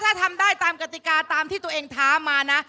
ถ้าทำได้ตามกติกาตามที่ตัวเองท้ามานะ